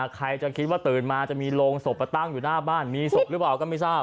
ใครจะคิดว่าตื่นมาจะมีโรงศพมาตั้งอยู่หน้าบ้านมีศพหรือเปล่าก็ไม่ทราบ